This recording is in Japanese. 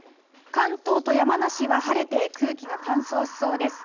関東と山梨は晴れて、空気が乾燥しそうです。